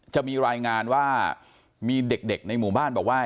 จะมีรายงานว่ามีเด็กในหมู่บ้านบอกว่า